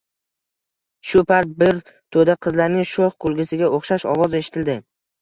Shu payt bir to`da qizlarning sho`x kulgisiga o`xshash ovoz eshitildi